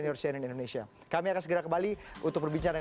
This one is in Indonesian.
terima kasih atas cerita ceritanya